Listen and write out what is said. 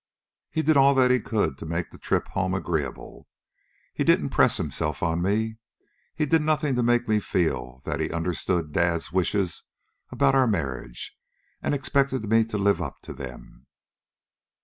He did all that he could to make the trip home agreeable. He didn't press himself on me. He did nothing to make me feel that he understood Dad's wishes about our marriage and expected me to live up to them.